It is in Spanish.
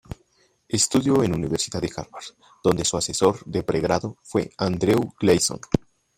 Estudió en Universidad de Harvard, donde su asesor de pregrado fue Andrew Gleason.